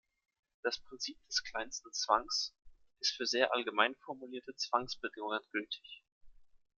Das Prinzip des kleinsten Zwangs ist für sehr allgemein formulierte Zwangsbedingungen gültig.